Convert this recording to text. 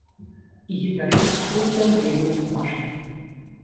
І гітарыст быў там вельмі важкі.